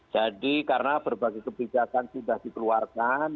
jadi karena berbagai kebijakan sudah dikeluarkan